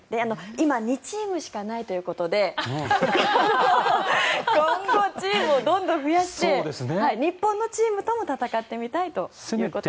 今２チームしかないということで今後、チームをどんどん増やして日本のチームとも戦ってみたいということです。